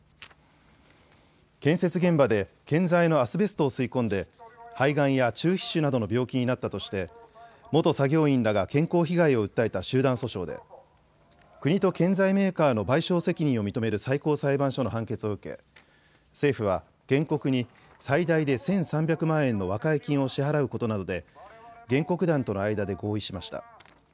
建設現場で建材のアスベストを吸い込んで肺がんや中皮腫などの病気になったとして元作業員らが健康被害を訴えた集団訴訟で国と建材メーカーの賠償責任を認める最高裁判所の判決を受け政府は原告に最大で１３００万円の和解金を支払うことなどで原告団との間で合意しました。